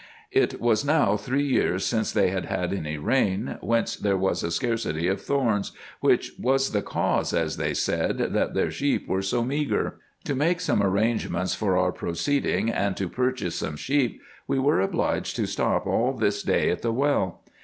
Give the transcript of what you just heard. It was now three years since they had had any rain, whence there was a scarcity of thorns ; which was the cause, as they said, that their sheep were so meagre. To make some arrangements for our proceeding, and to purchase some sheep, we were obliged to stop all this day at the well.